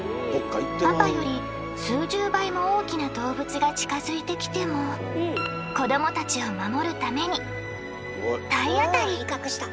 パパより数十倍も大きな動物が近づいてきても子どもたちを守るために体当たり！